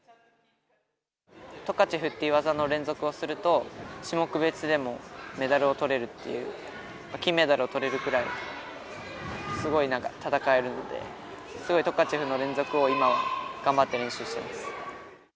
トカチェフという技の連続をすると、種目別でもメダルをとれるっていう、金メダルをとれるくらい、すごいなんか戦えるので、すごいトカチェフの連続を今は頑張って練習してます。